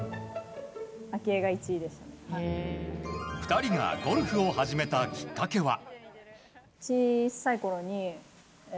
２人がゴルフを始めたきっかけは。